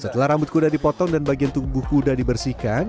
setelah rambut kuda dipotong dan bagian tubuh kuda dibersihkan